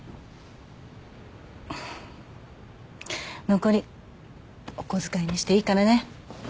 残りお小遣いにしていいからね。